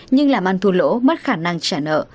nhưng làm ăn thua lỗ mất khả năng trả nợ